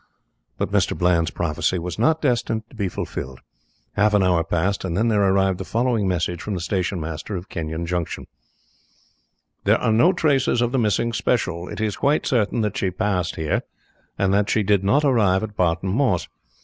But Mr. Bland's prophecy was not destined to be fulfilled. Half an hour passed, and then there arrived the following message from the station master of Kenyon Junction "There are no traces of the missing special. It is quite certain that she passed here, and that she did not arrive at Barton Moss.